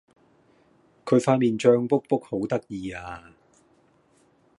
佢塊面脹畐畐好得意呀